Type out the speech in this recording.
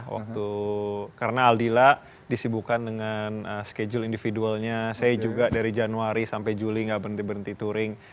waktu karena aldila disibukan dengan schedule individualnya saya juga dari januari sampai juli nggak berhenti berhenti touring